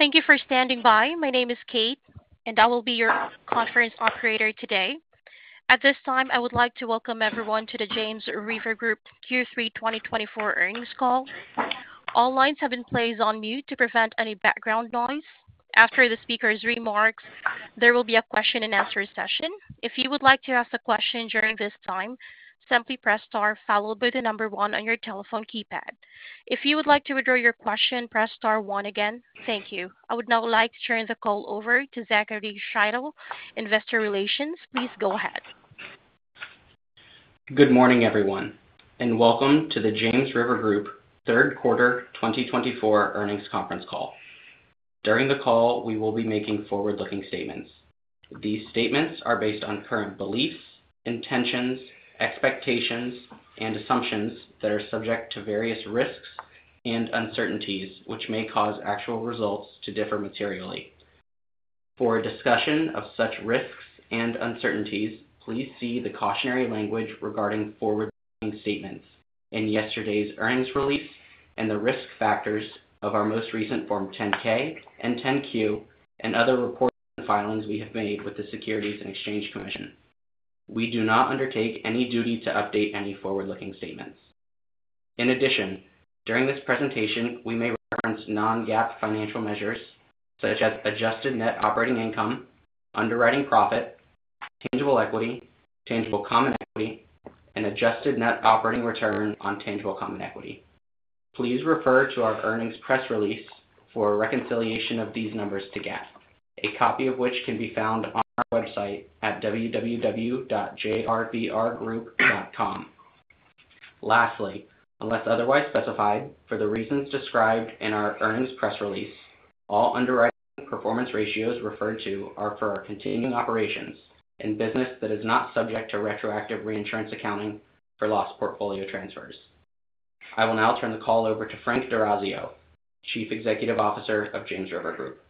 Thank you for standing by. My name is Kate, and I will be your conference operator today. At this time, I would like to welcome everyone to the James River Group Q3 2024 earnings call. All lines have been placed on mute to prevent any background noise. After the speaker's remarks, there will be a question-and-answer session. If you would like to ask a question during this time, simply press star followed by the number one on your telephone keypad. If you would like to withdraw your question, press star one again. Thank you. I would now like to turn the call over to Zachary Shytle, Investor Relations. Please go ahead. Good morning, everyone, and welcome to the James River Group Q3 2024 earnings conference call. During the call, we will be making forward-looking statements. These statements are based on current beliefs, intentions, expectations, and assumptions that are subject to various risks and uncertainties, which may cause actual results to differ materially. For discussion of such risks and uncertainties, please see the cautionary language regarding forward-looking statements in yesterday's earnings release and the risk factors of our most recent Form 10-K and 10-Q, and other reports and filings we have made with the Securities and Exchange Commission. We do not undertake any duty to update any forward-looking statements. In addition, during this presentation, we may reference non-GAAP financial measures such as adjusted net operating income, underwriting profit, tangible equity, tangible common equity, and adjusted net operating return on tangible common equity. Please refer to our earnings press release for reconciliation of these numbers to GAAP, a copy of which can be found on our website at www.jamesrivergroup.com. Lastly, unless otherwise specified, for the reasons described in our earnings press release, all underwriting performance ratios referred to are for our continuing operations and business that is not subject to retroactive reinsurance accounting for loss portfolio transfers. I will now turn the call over to Frank D'Orazio, Chief Executive Officer of James River Group.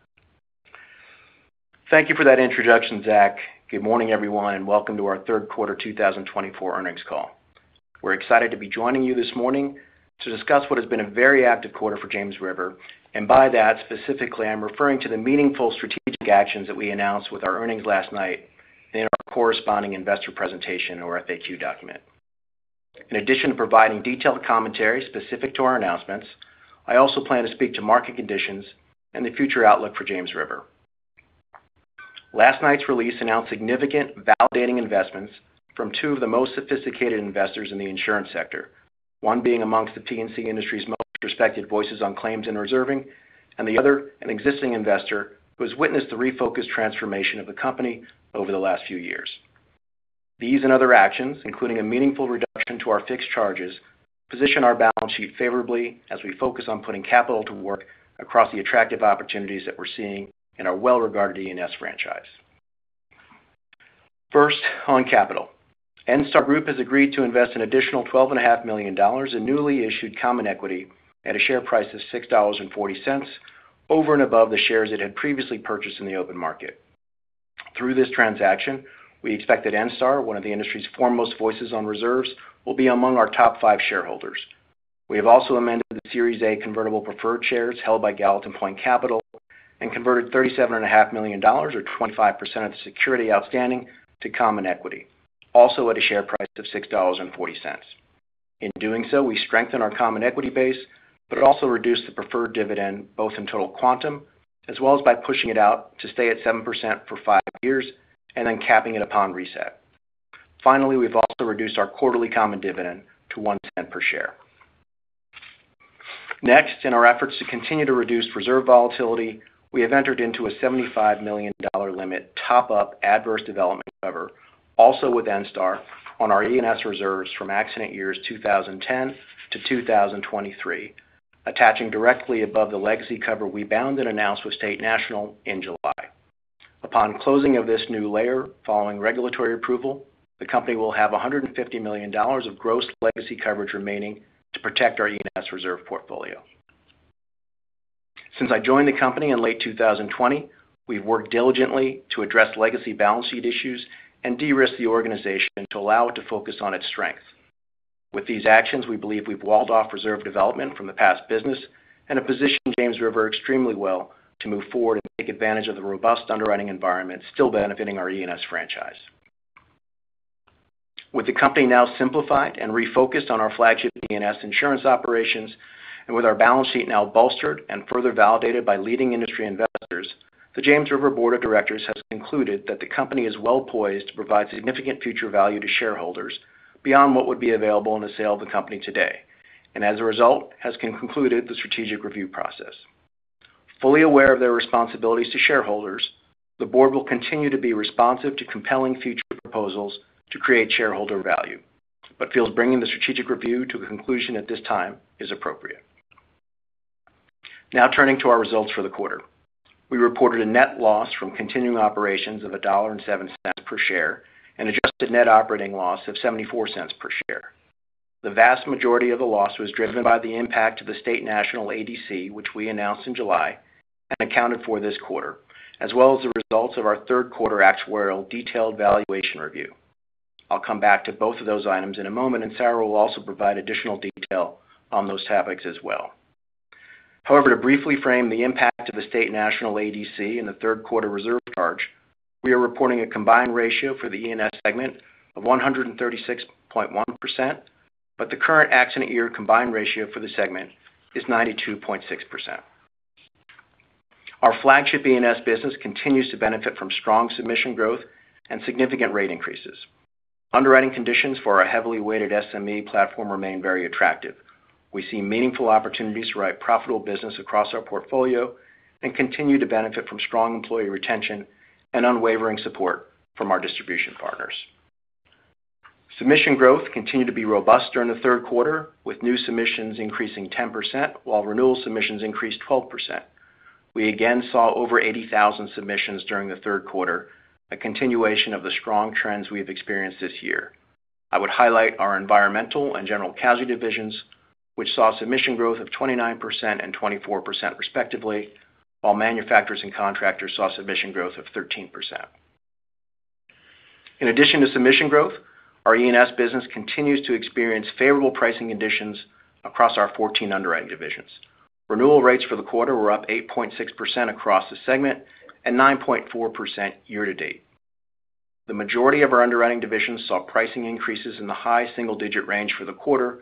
Thank you for that introduction, Zach. Good morning, everyone, and welcome to our Q3 2024 earnings call. We're excited to be joining you this morning to discuss what has been a very active quarter for James River, and by that, specifically, I'm referring to the meaningful strategic actions that we announced with our earnings last night in our corresponding investor presentation or FAQ document. In addition to providing detailed commentary specific to our announcements, I also plan to speak to market conditions and the future outlook for James River. Last night's release announced significant validating investments from two of the most sophisticated investors in the insurance sector, one being amongst the P&C industry's most respected voices on claims and reserving, and the other an existing investor who has witnessed the refocused transformation of the company over the last few years. These and other actions, including a meaningful reduction to our fixed charges, position our balance sheet favorably as we focus on putting capital to work across the attractive opportunities that we're seeing in our well-regarded E&S franchise. First, on capital, Enstar Group has agreed to invest an additional $12.5 million in newly issued common equity at a share price of $6.40 over and above the shares it had previously purchased in the open market. Through this transaction, we expect that Enstar, one of the industry's foremost voices on reserves, will be among our top five shareholders. We have also amended the Series A convertible preferred shares held by Gallatin Point Capital and converted $37.5 million, or 25% of the security outstanding, to common equity, also at a share price of $6.40. In doing so, we strengthen our common equity base but also reduce the preferred dividend both in total quantum as well as by pushing it out to stay at 7% for five years and then capping it upon reset. Finally, we've also reduced our quarterly common dividend to one cent per share. Next, in our efforts to continue to reduce reserve volatility, we have entered into a $75 million limit top-up adverse development cover, also with Enstar, on our E&S reserves from accident years 2010 to 2023, attaching directly above the legacy cover we bound and announced with State National in July. Upon closing of this new layer following regulatory approval, the company will have $150 million of gross legacy coverage remaining to protect our E&S reserve portfolio. Since I joined the company in late 2020, we've worked diligently to address legacy balance sheet issues and de-risk the organization to allow it to focus on its strengths. With these actions, we believe we've walled off reserve development from the past business and have positioned James River extremely well to move forward and take advantage of the robust underwriting environment still benefiting our E&S franchise. With the company now simplified and refocused on our flagship E&S insurance operations, and with our balance sheet now bolstered and further validated by leading industry investors, the James River Board of Directors has concluded that the company is well poised to provide significant future value to shareholders beyond what would be available in the sale of the company today, and as a result, has concluded the strategic review process. Fully aware of their responsibilities to shareholders, the board will continue to be responsive to compelling future proposals to create shareholder value, but feels bringing the strategic review to a conclusion at this time is appropriate. Now turning to our results for the quarter, we reported a net loss from continuing operations of $1.07 per share and adjusted net operating loss of $0.74 per share. The vast majority of the loss was driven by the impact of the State National ADC, which we announced in July and accounted for this quarter, as well as the results of our Q3 Actuarial Detailed Valuation Review. I'll come back to both of those items in a moment, and Sarah will also provide additional detail on those topics as well. However, to briefly frame the impact of the State National ADC in the Q3 reserve charge, we are reporting a combined ratio for the E&S segment of 136.1%, but the current accident year combined ratio for the segment is 92.6%. Our flagship E&S business continues to benefit from strong submission growth and significant rate increases. Underwriting conditions for our heavily weighted SME platform remain very attractive. We see meaningful opportunities to write profitable business across our portfolio and continue to benefit from strong employee retention and unwavering support from our distribution partners. Submission growth continued to be robust during the Q3, with new submissions increasing 10% while renewal submissions increased 12%. We again saw over 80,000 submissions during the Q3, a continuation of the strong trends we have experienced this year. I would highlight our environmental and general casualty divisions, which saw submission growth of 29% and 24% respectively, while manufacturers and contractors saw submission growth of 13%. In addition to submission growth, our E&S business continues to experience favorable pricing conditions across our 14 underwriting divisions. Renewal rates for the quarter were up 8.6% across the segment and 9.4% year to date. The majority of our underwriting divisions saw pricing increases in the high single-digit range for the quarter,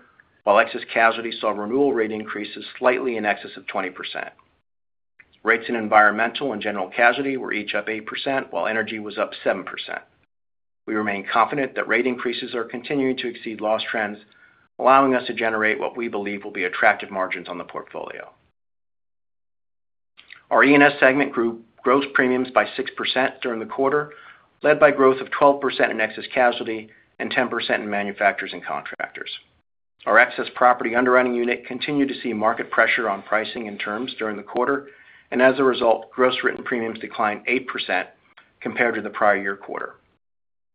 while excess casualty saw renewal rate increases slightly in excess of 20%. Rates in environmental and general casualty were each up 8%, while energy was up 7%. We remain confident that rate increases are continuing to exceed loss trends, allowing us to generate what we believe will be attractive margins on the portfolio. Our E&S segment grew gross premiums by 6% during the quarter, led by growth of 12% in excess casualty and 10% in manufacturers and contractors. Our excess property underwriting unit continued to see market pressure on pricing and terms during the quarter, and as a result, gross written premiums declined 8% compared to the prior year quarter.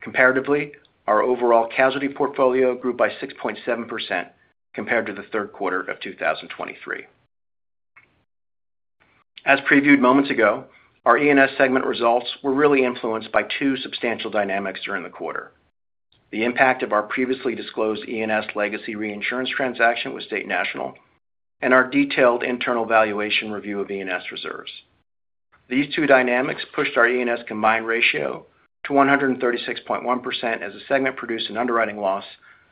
Comparatively, our overall casualty portfolio grew by 6.7% compared to the Q3 of 2023. As previewed moments ago, our E&S segment results were really influenced by two substantial dynamics during the quarter: the impact of our previously disclosed E&S legacy reinsurance transaction with State National and our detailed internal valuation review of E&S reserves. These two dynamics pushed our E&S combined ratio to 136.1% as the segment produced an underwriting loss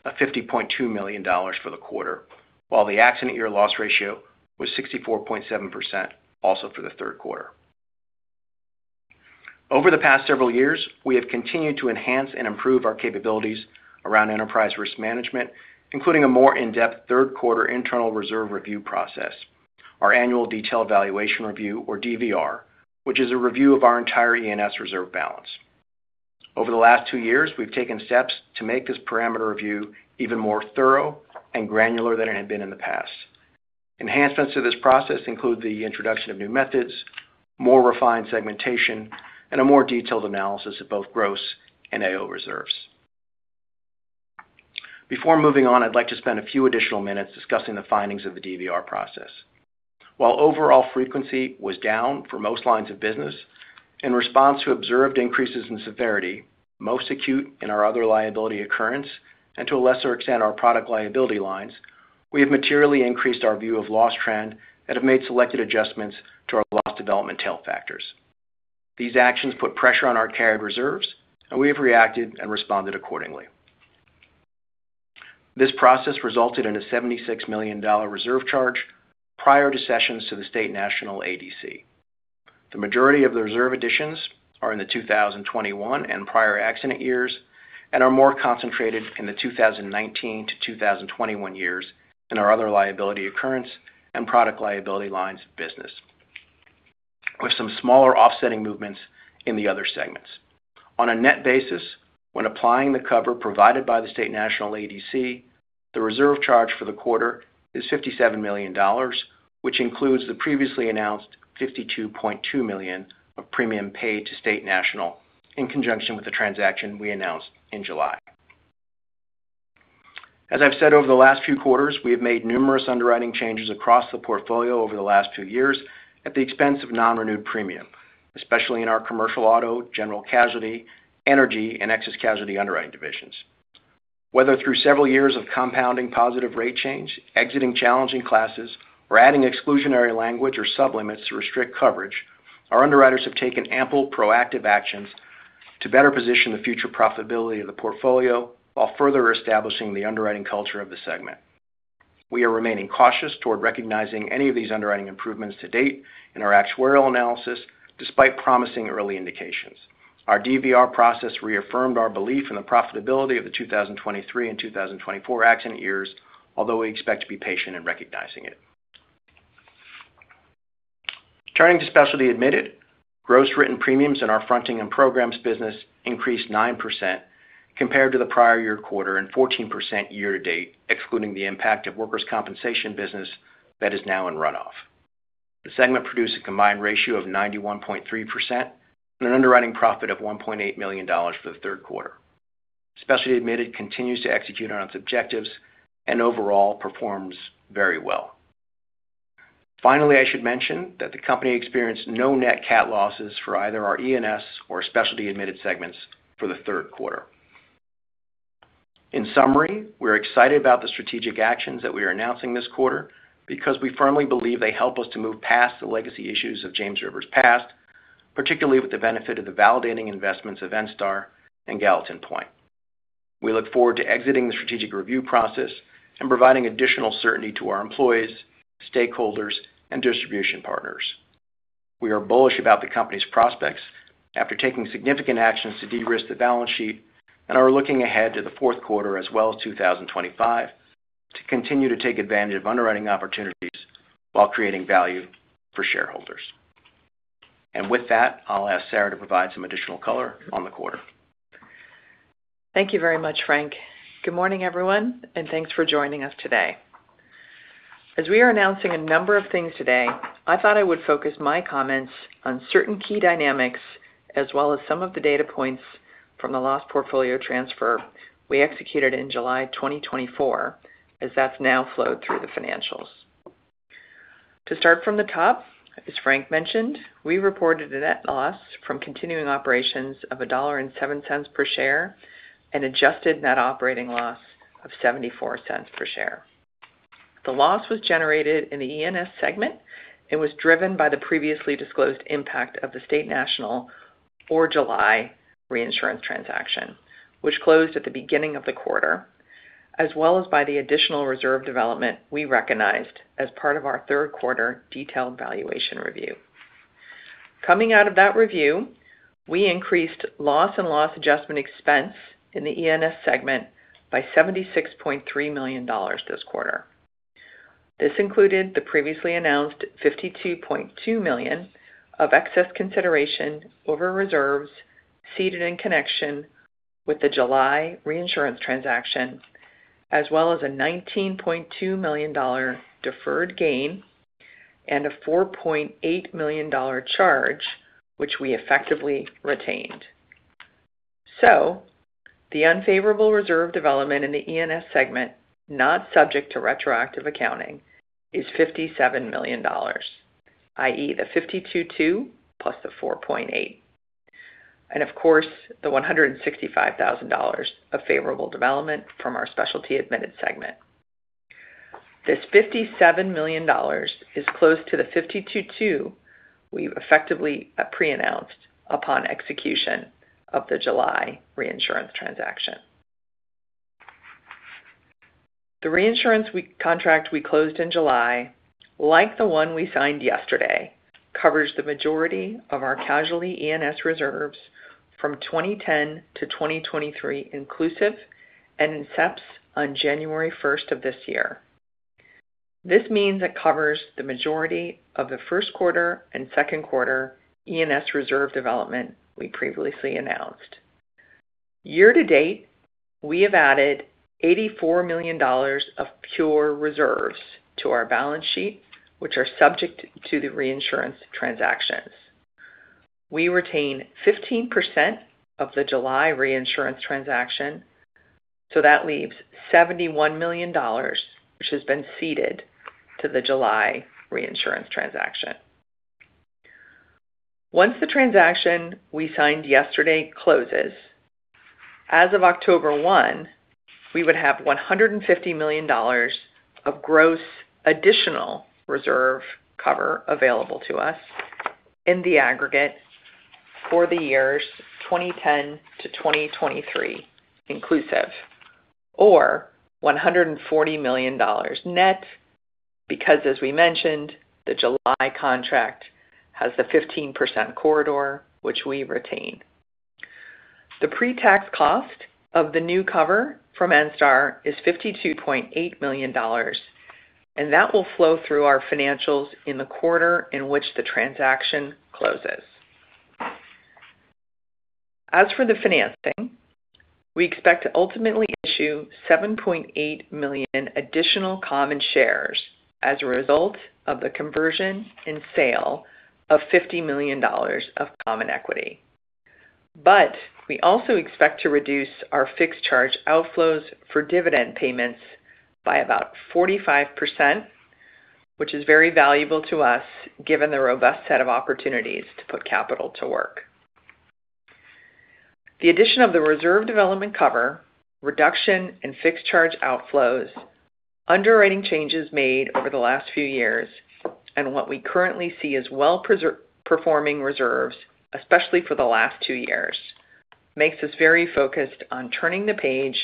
of $50.2 million for the quarter, while the accident year loss ratio was 64.7% also for the Q3. Over the past several years, we have continued to enhance and improve our capabilities around enterprise risk management, including a more in-depth Q3 internal reserve review process, our annual detailed valuation review, or DVR, which is a review of our entire E&S reserve balance. Over the last two years, we've taken steps to make this parameter review even more thorough and granular than it had been in the past. Enhancements to this process include the introduction of new methods, more refined segmentation, and a more detailed analysis of both gross and A&O reserves. Before moving on, I'd like to spend a few additional minutes discussing the findings of the DVR process. While overall frequency was down for most lines of business, in response to observed increases in severity, most acute in our Other Liability Occurrence, and to a lesser extent our Product Liability lines, we have materially increased our view of Loss Trend and have made selected adjustments to our loss development tail factors. These actions put pressure on our carried reserves, and we have reacted and responded accordingly. This process resulted in a $76 million reserve charge prior to cessions to the State National ADC. The majority of the reserve additions are in the 2021 and prior accident years and are more concentrated in the 2019 to 2021 years in our Other Liability Occurrence and Product Liability lines of business, with some smaller offsetting movements in the other segments. On a net basis, when applying the cover provided by the State National ADC, the reserve charge for the quarter is $57 million, which includes the previously announced $52.2 million of premium paid to State National in conjunction with the transaction we announced in July. As I've said, over the last few quarters, we have made numerous underwriting changes across the portfolio over the last few years at the expense of non-renewed premium, especially in our commercial auto, general casualty, energy, and excess casualty underwriting divisions. Whether through several years of compounding positive rate change, exiting challenging classes, or adding exclusionary language or sub-limits to restrict coverage, our underwriters have taken ample proactive actions to better position the future profitability of the portfolio while further establishing the underwriting culture of the segment. We are remaining cautious toward recognizing any of these underwriting improvements to date in our actuarial analysis, despite promising early indications. Our DVR process reaffirmed our belief in the profitability of the 2023 and 2024 accident years, although we expect to be patient in recognizing it. Turning to Specialty Admitted, gross written premiums in our fronting and programs business increased 9% compared to the prior year quarter and 14% year to date, excluding the impact of Workers' Compensation business that is now in runoff. The segment produced a combined ratio of 91.3% and an underwriting profit of $1.8 million for the Q3. Specialty Admitted continues to execute on its objectives and overall performs very well. Finally, I should mention that the company experienced no net cat losses for either our E&S or Specialty Admitted segments for the Q3. In summary, we are excited about the strategic actions that we are announcing this quarter because we firmly believe they help us to move past the legacy issues of James River's past, particularly with the benefit of the validating investments of Enstar and Gallatin Point. We look forward to exiting the strategic review process and providing additional certainty to our employees, stakeholders, and distribution partners. We are bullish about the company's prospects after taking significant actions to de-risk the balance sheet and are looking ahead to the Q4 as well as 2025 to continue to take advantage of underwriting opportunities while creating value for shareholders. And with that, I'll ask Sarah to provide some additional color on the quarter. Thank you very much, Frank. Good morning, everyone, and thanks for joining us today. As we are announcing a number of things today, I thought I would focus my comments on certain key dynamics as well as some of the data points from the loss portfolio transfer we executed in July 2024, as that's now flowed through the financials. To start from the top, as Frank mentioned, we reported a net loss from continuing operations of $1.07 per share and adjusted net operating loss of $0.74 per share. The loss was generated in the E&S segment and was driven by the previously disclosed impact of the State National's July reinsurance transaction, which closed at the beginning of the quarter, as well as by the additional reserve development we recognized as part of our Q3 detailed valuation review. Coming out of that review, we increased loss and loss adjustment expense in the E&S segment by $76.3 million this quarter. This included the previously announced $52.2 million of excess consideration over reserves ceded in connection with the July reinsurance transaction, as well as a $19.2 million deferred gain and a $4.8 million charge, which we effectively retained. So the unfavorable reserve development in the E&S segment, not subject to retroactive accounting, is $57 million, i.e., the $52.2 million plus the $4.8 million, and of course, the $165,000 of favorable development from our specialty admitted segment. This $57 million is close to the $52.2 million we effectively pre-announced upon execution of the July reinsurance transaction. The reinsurance contract we closed in July, like the one we signed yesterday, covers the majority of our casualty E&S reserves from 2010 to 2023 inclusive and in E&S on January 1 of this year. This means it covers the majority of the Q1 and Q2 E&S reserve development we previously announced. Year to date, we have added $84 million of pure reserves to our balance sheet, which are subject to the reinsurance transactions. We retain 15% of the July reinsurance transaction, so that leaves $71 million, which has been ceded to the July reinsurance transaction. Once the transaction we signed yesterday closes, as of October 1, we would have $150 million of gross additional reserve cover available to us in the aggregate for the years 2010 to 2023 inclusive, or $140 million net, because, as we mentioned, the July contract has the 15% corridor, which we retain. The pre-tax cost of the new cover from Enstar is $52.8 million, and that will flow through our financials in the quarter in which the transaction closes. As for the financing, we expect to ultimately issue $7.8 million in additional common shares as a result of the conversion and sale of $50 million of common equity. But we also expect to reduce our fixed charge outflows for dividend payments by about 45%, which is very valuable to us given the robust set of opportunities to put capital to work. The addition of the reserve development cover, reduction in fixed charge outflows, underwriting changes made over the last few years, and what we currently see as well-performing reserves, especially for the last two years, makes us very focused on turning the page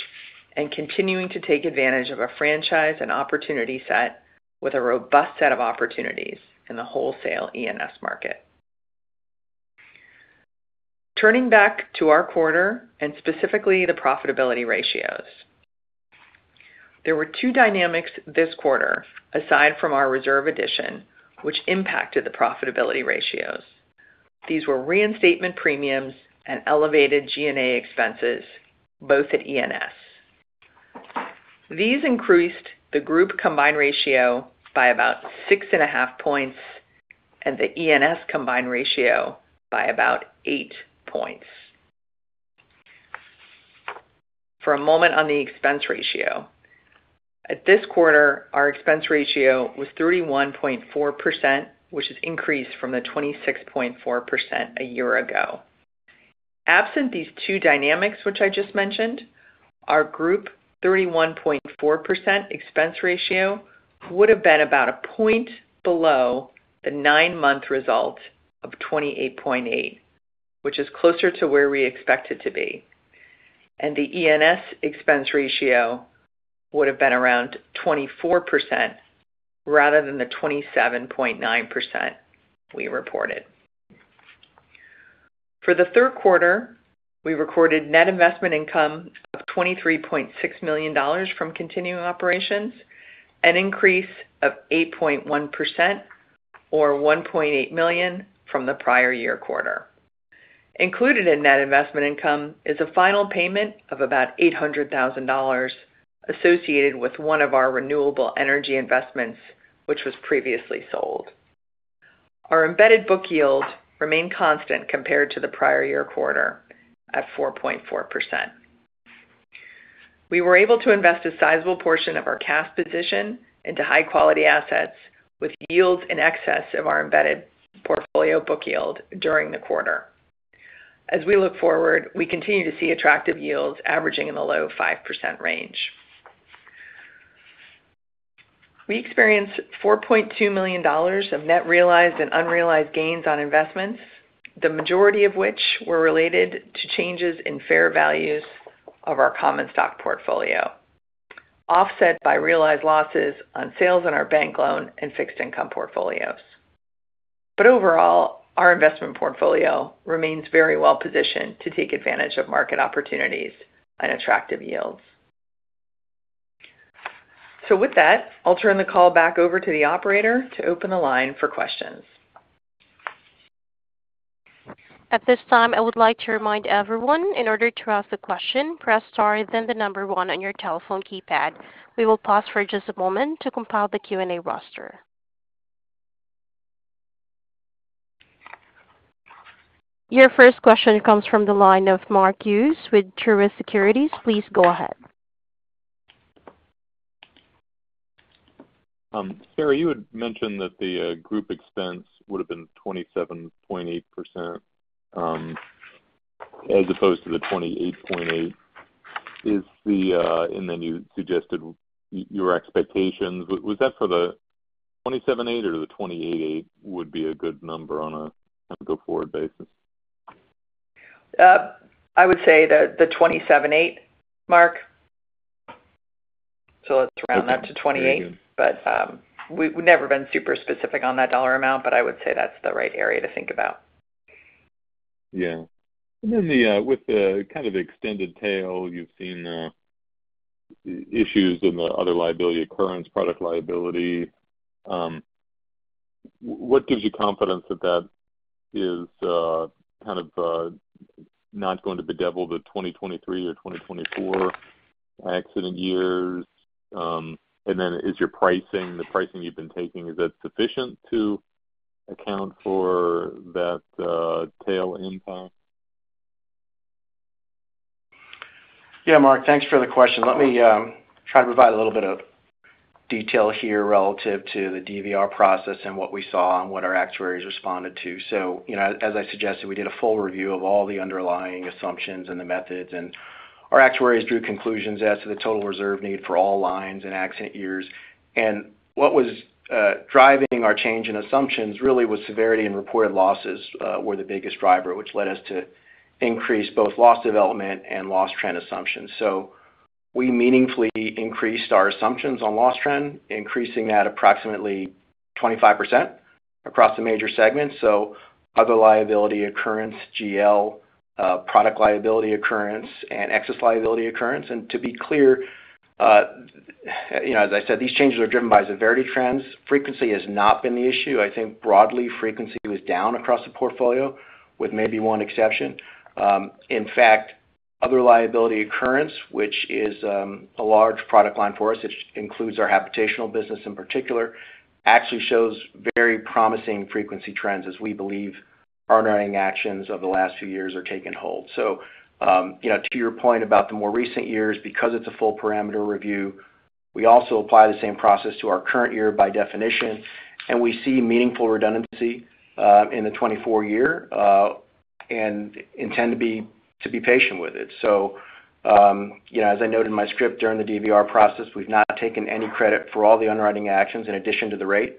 and continuing to take advantage of a franchise and opportunity set with a robust set of opportunities in the wholesale E&S market. Turning back to our quarter and specifically the profitability ratios, there were two dynamics this quarter aside from our reserve addition, which impacted the profitability ratios. These were reinstatement premiums and elevated G&A expenses, both at E&S. These increased the group combined ratio by about 6.5 points and the E&S combined ratio by about 8 points. For a moment on the expense ratio. At this quarter, our expense ratio was 31.4%, which has increased from the 26.4% a year ago. Absent these two dynamics, which I just mentioned, our group 31.4% expense ratio would have been about a point below the nine-month result of 28.8%, which is closer to where we expect it to be. And the E&S expense ratio would have been around 24% rather than the 27.9% we reported. For the Q3, we recorded net investment income of $23.6 million from continuing operations, an increase of 8.1% or $1.8 million from the prior year quarter. Included in net investment income is a final payment of about $800,000 associated with one of our renewable energy investments, which was previously sold. Our embedded book yield remained constant compared to the prior year quarter at 4.4%. We were able to invest a sizable portion of our cash position into high-quality assets with yields in excess of our embedded portfolio book yield during the quarter. As we look forward, we continue to see attractive yields averaging in the low 5% range. We experienced $4.2 million of net realized and unrealized gains on investments, the majority of which were related to changes in fair values of our common stock portfolio, offset by realized losses on sales in our bank loan and fixed income portfolios. But overall, our investment portfolio remains very well positioned to take advantage of market opportunities and attractive yields. So with that, I'll turn the call back over to the operator to open the line for questions. At this time, I would like to remind everyone, in order to ask a question, press star and then the number one on your telephone keypad. We will pause for just a moment to compile the Q&A roster. Your first question comes from the line of Mark Hughes with Truist Securities. Please go ahead. Sarah, you had mentioned that the group expense would have been 27.8% as opposed to the 28.8%. And then you suggested your expectations. Was that for the 27.8% or the 28.8% would be a good number on a go forward basis? I would say the 27.8%, Mark. So let's round that to 28%. But we've never been super specific on that dollar amount, but I would say that's the right area to think about. Yeah, and then with the kind of extended tail, you've seen issues in the other liability occurrence, product liability. What gives you confidence that that is kind of not going to bedevil the 2023 or 2024 accident years, and then is your pricing, the pricing you've been taking, sufficient to account for that tail impact? Yeah, Mark, thanks for the question. Let me try to provide a little bit of detail here relative to the DVR process and what we saw and what our actuaries responded to, as I suggested, we did a full review of all the underlying assumptions and the methods, and our actuaries drew conclusions as to the total reserve need for all lines and accident years. What was driving our change in assumptions really was severity and reported losses were the biggest driver, which led us to increase both loss development and loss trend assumptions. We meaningfully increased our assumptions on loss trend, increasing that approximately 25% across the major segments: other liability occurrence, GL, product liability occurrence, and excess liability occurrence. To be clear, as I said, these changes are driven by severity trends. Frequency has not been the issue. I think broadly, frequency was down across the portfolio with maybe one exception. In fact, other liability occurrence, which is a large product line for us, which includes our habitational business in particular, actually shows very promising frequency trends as we believe our underwriting actions of the last few years are taking hold. So, to your point about the more recent years, because it's a full parameter review, we also apply the same process to our current year by definition, and we see meaningful redundancy in the 2024 year and intend to be patient with it. So as I noted in my script during the DVR process, we've not taken any credit for all the underwriting actions in addition to the rate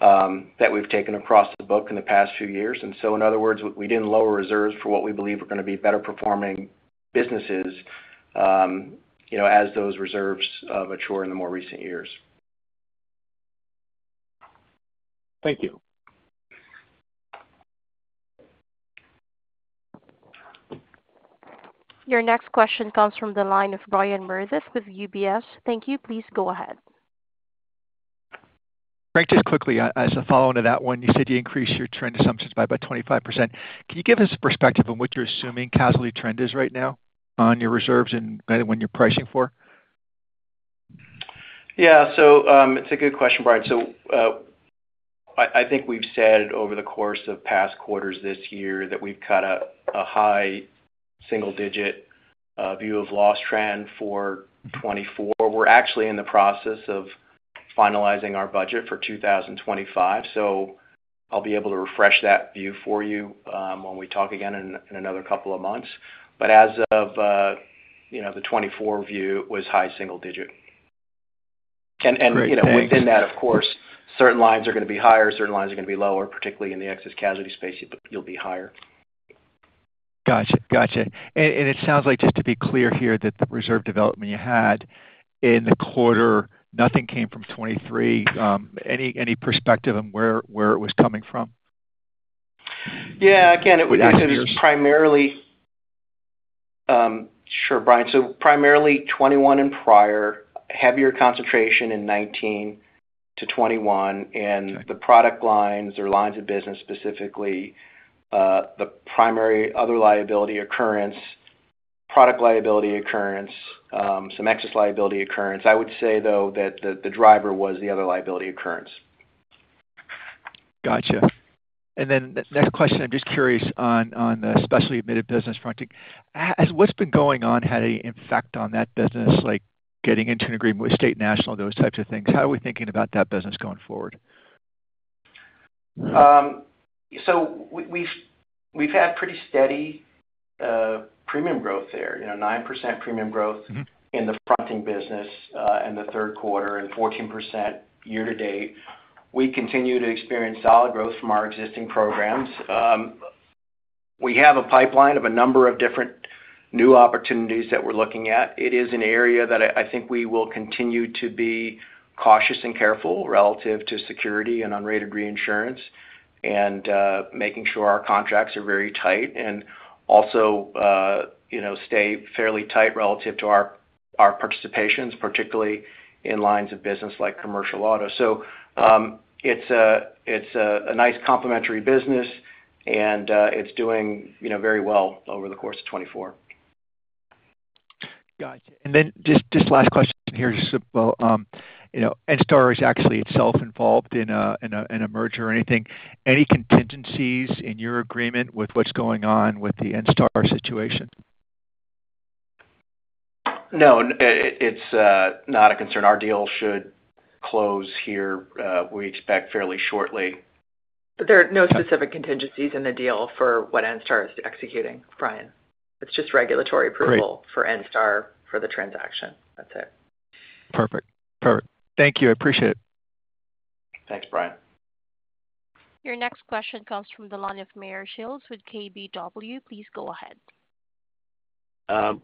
that we've taken across the book in the past few years. And so in other words, we didn't lower reserves for what we believe are going to be better performing businesses as those reserves mature in the more recent years. Thank you. Your next question comes from the line of Brian Meredith with UBS. Thank you. Please go ahead. Frank, just quickly, as a follow-on to that one, you said you increased your trend assumptions by about 25%. Can you give us a perspective on what you're assuming casualty trend is right now on your reserves and when you're pricing for? Yeah. So it's a good question, Brian. So I think we've said over the course of past quarters this year that we've got a high single-digit view of loss trend for 2024. We're actually in the process of finalizing our budget for 2025. So I'll be able to refresh that view for you when we talk again in another couple of months. But as of the 2024 view, it was high single-digit. And within that, of course, certain lines are going to be higher, certain lines are going to be lower, particularly in the excess casualty space, you'll be higher. Gotcha. Gotcha. And it sounds like just to be clear here that the reserve development you had in the quarter, nothing came from 2023? Any perspective on where it was coming from? Yeah. Again, it was primarily sure, Brian. So primarily 2021 and prior, heavier concentration in 2019 to 2021. And the product lines, or lines of business specifically, the primary other liability occurrence, product liability occurrence, some excess liability occurrence. I would say, though, that the driver was the other liability occurrence. Gotcha. And then next question, I'm just curious on the Specialty Admitted business front. What's been going on? Had any effect on that business, like getting into an agreement with State National, those types of things? How are we thinking about that business going forward? So we've had pretty steady premium growth there, 9% premium growth in the fronting business in the third quarter and 14% year to date. We continue to experience solid growth from our existing programs. We have a pipeline of a number of different new opportunities that we're looking at. It is an area that I think we will continue to be cautious and careful relative to security and unrated reinsurance and making sure our contracts are very tight and also stay fairly tight relative to our participations, particularly in lines of business like commercial auto. So it's a nice complementary business, and it's doing very well over the course of 2024. Gotcha. And then just last question here, just, Enstar is actually itself involved in a merger or anything. Any contingencies in your agreement with what's going on with the Enstar situation? No. It's not a concern. Our deal should close here. We expect fairly shortly. There are no specific contingencies in the deal for what Enstar is executing, Brian. It's just regulatory approval for Enstar for the transaction. That's it. Perfect. Perfect. Thank you. I appreciate it. Thanks, Brian. Your next question comes from the line of Meyer Shields with KBW. Please go ahead.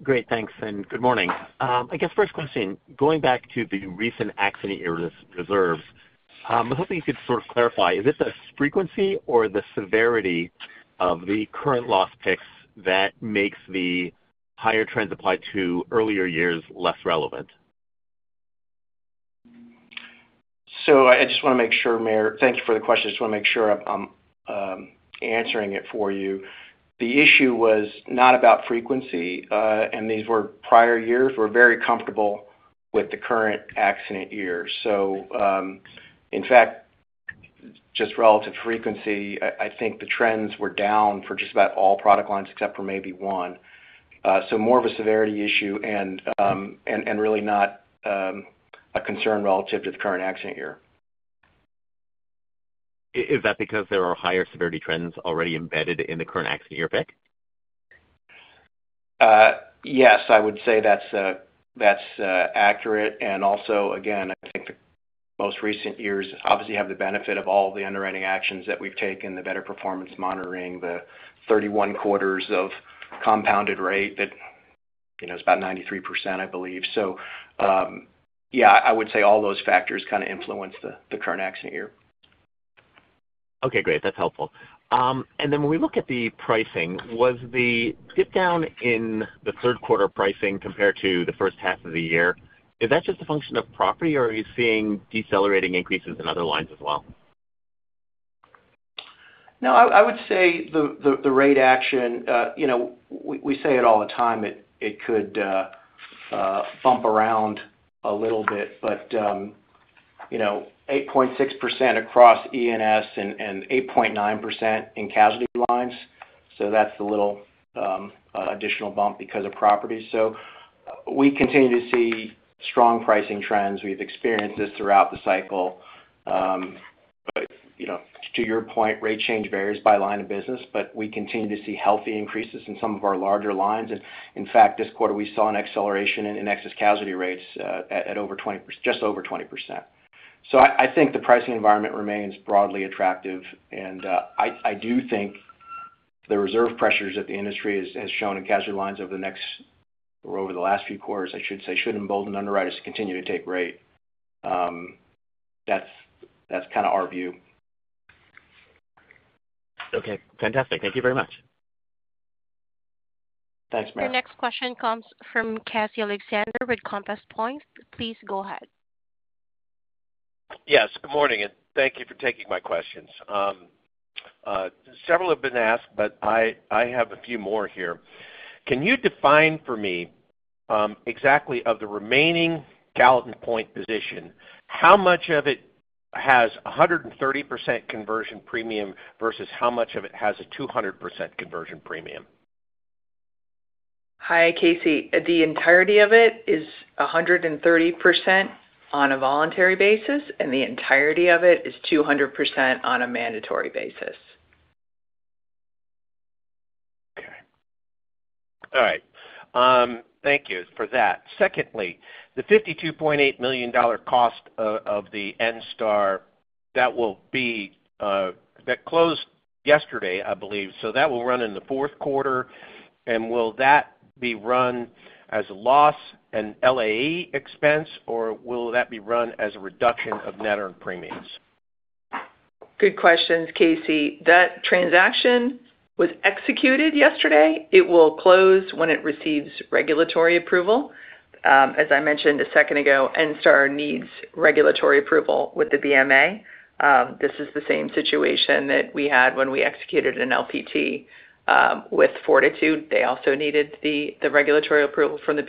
Great. Thanks. And good morning. I guess first question, going back to the recent accident year reserves, I'm hoping you could sort of clarify. Is it the frequency or the severity of the current loss picks that makes the higher trends applied to the earlier years less relevant? So I just want to make sure, Meyer, thank you for the question. I just want to make sure I'm answering it for you. The issue was not about frequency, and these were prior years. We're very comfortable with the current accident years. So in fact, just relative frequency, I think the trends were down for just about all product lines except for maybe one. So more of a severity issue and really not a concern relative to the current accident year. Is that because there are higher severity trends already embedded in the current accident year pick? Yes, I would say that's accurate. And also, again, I think the most recent years obviously have the benefit of all the underwriting actions that we've taken, the better performance monitoring, the 31 quarters of compounded rate that is about 93%, I believe. So yeah, I would say all those factors kind of influence the current accident year. Okay. Great. That's helpful. And then when we look at the pricing, was the dip down in the third quarter pricing compared to the first half of the year, is that just a function of property, or are you seeing decelerating increases in other lines as well? No, I would say the rate action, we say it all the time, it could bump around a little bit, but 8.6% across E&S and 8.9% in casualty lines. So that's the little additional bump because of property. So we continue to see strong pricing trends. We've experienced this throughout the cycle. But to your point, rate change varies by line of business, but we continue to see healthy increases in some of our larger lines. And in fact, this quarter, we saw an acceleration in excess casualty rates at just over 20%. So I think the pricing environment remains broadly attractive. And I do think the reserve pressures that the industry has shown in casualty lines over the next or over the last few quarters, I should say, should embolden underwriters to continue to take rate. That's kind of our view. Okay. Fantastic. Thank you very much. Thanks, Meyer. Your next question comes from Casey Alexander with Compass Point. Please go ahead. Yes. Good morning, and thank you for taking my questions. Several have been asked, but I have a few more here. Can you define for me exactly of the remaining Gallatin Point position, how much of it has 130% conversion premium versus how much of it has a 200% conversion premium? Hi, Casey. The entirety of it is 130% on a voluntary basis, and the entirety of it is 200% on a mandatory basis. Okay. All right. Thank you for that. Secondly, the $52.8 million cost of the Enstar that closed yesterday, I believe. So that will run in the fourth quarter, and will that be run as a loss and LAE expense, or will that be run as a reduction of net earned premiums? Good questions, Casey. That transaction was executed yesterday. It will close when it receives regulatory approval. As I mentioned a second ago, Enstar needs regulatory approval with the BMA. This is the same situation that we had when we executed an LPT with Fortitude. They also needed the regulatory approval from the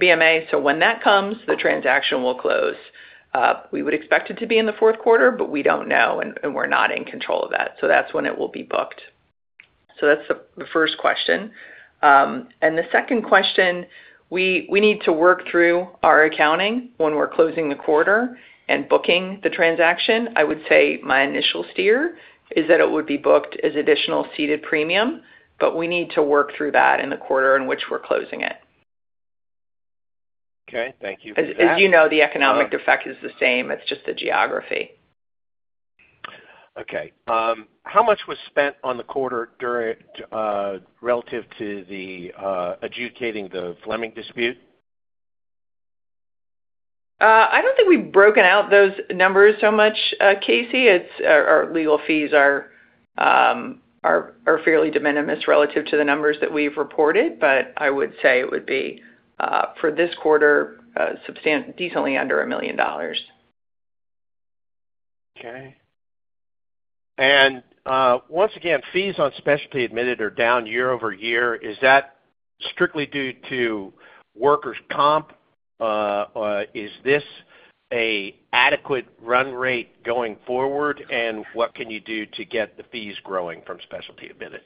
BMA. So when that comes, the transaction will close. We would expect it to be in the fourth quarter, but we don't know, and we're not in control of that. So that's when it will be booked. So that's the first question, and the second question, we need to work through our accounting when we're closing the quarter and booking the transaction. I would say my initial steer is that it would be booked as additional ceded premium, but we need to work through that in the quarter in which we're closing it. Okay. Thank you for that. As you know, the economic effect is the same. It's just the geography. Okay. How much was spent in the quarter relative to adjudicating the Fleming dispute? I don't think we've broken out those numbers so much, Casey. Our legal fees are fairly de minimis relative to the numbers that we've reported, but I would say it would be, for this quarter, decently under $1 million. Okay and once again, fees on specialty admitted are down year over year. Is that strictly due to workers' comp? Is this an adequate run rate going forward? And what can you do to get the fees growing from specialty admitted?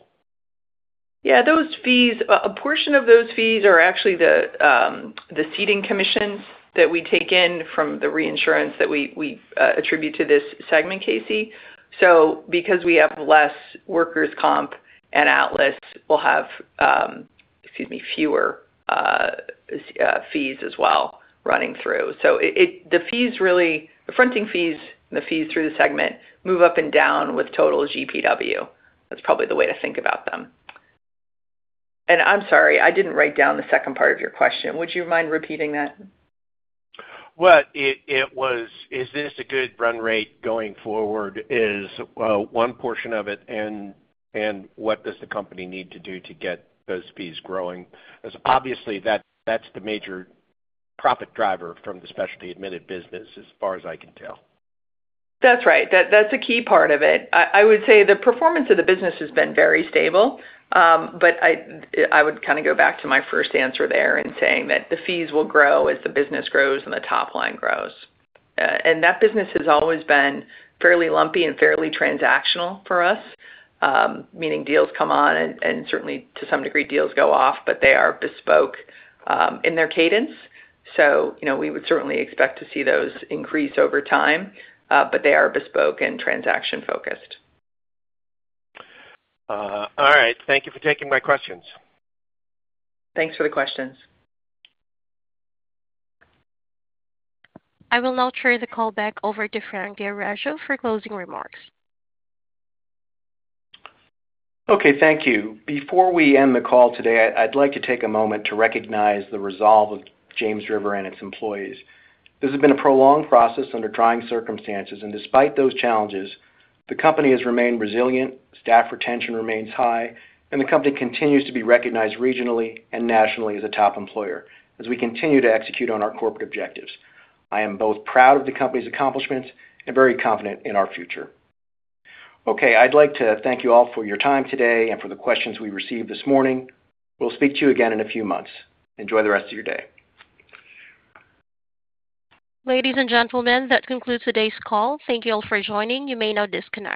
Yeah. A portion of those fees are actually the ceding commissions that we take in from the reinsurance that we attribute to this segment, Casey. So because we have less workers' comp and Atlas, we'll have, excuse me, fewer fees as well running through. So the fronting fees and the fees through the segment move up and down with total GPW. That's probably the way to think about them. And I'm sorry, I didn't write down the second part of your question. Would you mind repeating that? Well, is this a good run rate going forward? Is one portion of it, and what does the company need to do to get those fees growing? Because obviously, that's the major profit driver from the specialty admitted business, as far as I can tell. That's right. That's a key part of it. I would say the performance of the business has been very stable, but I would kind of go back to my first answer there in saying that the fees will grow as the business grows and the top line grows, and that business has always been fairly lumpy and fairly transactional for us, meaning deals come on, and certainly, to some degree, deals go off, but they are bespoke in their cadence. So we would certainly expect to see those increase over time, but they are bespoke and transaction-focused. All right. Thank you for taking my questions. Thanks for the questions. I will now turn the call back over to Frank D'Orazio for closing remarks. Okay. Thank you. Before we end the call today, I'd like to take a moment to recognize the resolve of James River and its employees. This has been a prolonged process under trying circumstances, and despite those challenges, the company has remained resilient, staff retention remains high, and the company continues to be recognized regionally and nationally as a top employer as we continue to execute on our corporate objectives. I am both proud of the company's accomplishments and very confident in our future. Okay. I'd like to thank you all for your time today and for the questions we received this morning. We'll speak to you again in a few months. Enjoy the rest of your day. Ladies and gentlemen, that concludes today's call. Thank you all for joining. You may now disconnect.